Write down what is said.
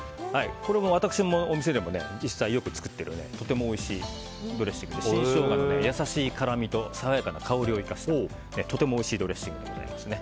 私のお店でも実際よく作っているとてもおいしいドレッシングで新ショウガの優しい辛味と爽やかな香りを生かしたとてもおいしいドレッシングです。